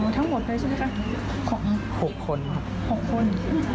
อ๋อทั้งหมดเลยใช่ไหมคะของหกคนครับหกคนอ๋อ